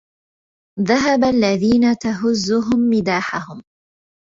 ذهب الذين تهزهم مداحهم